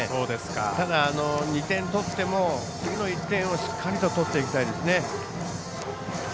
ただ、２点取っても次の１点をしっかりと取っていきたいですね。